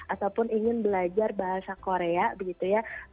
ataupun ingin belajar bahasa korea